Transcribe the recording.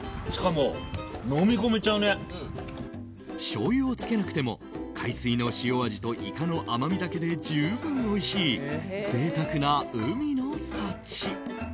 しょうゆをつけなくても海水の塩味とイカの甘みだけで十分おいしい贅沢な海の幸。